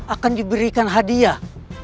akan diberikan hadiah